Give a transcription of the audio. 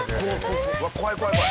怖い怖い怖い。